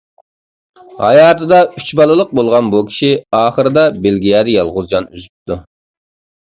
ھاياتىدا ئۈچ بالىلىق بولغان بۇ كىشى ئاخىرىدا بېلگىيەدە يالغۇز جان ئۈزۈپتۇ.